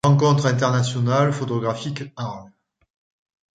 Rencontres Internationales Photographiques, Arles.